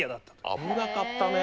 危なかったね。